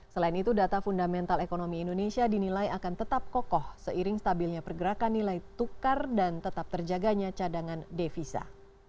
selain itu data fundamental ekonomi indonesia dinilai akan tetap kokoh seiring stabilnya pergerakan nilai tukar dan tetap terjaganya cadangan devisa